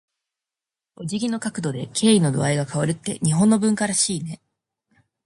お辞儀の角度で、敬意の度合いが変わるって日本の文化らしいね。